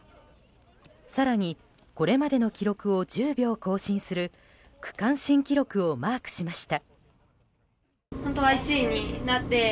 更に、これまでの記録を１０秒更新する区間新記録をマークしました。